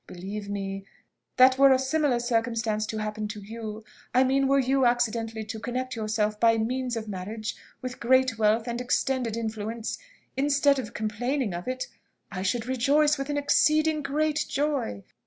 Believe me, that were a similar circumstance to happen to you: I mean, were you accidentally to connect yourself by means of marriage with great wealth and extended influence; instead of complaining of it, I should rejoice with an exceeding great joy.